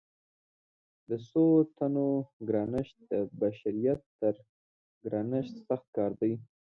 د څو تنو ګرانښت د بشریت تر ګرانښت سخت کار دی.